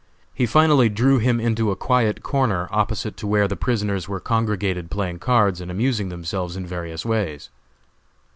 He finally drew him into a quiet corner opposite to where the prisoners were congregated playing cards and amusing themselves in various ways.